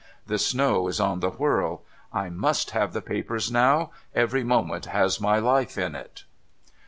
The snow is on the whirl. I must have the papers now. Every moment has my life in it.'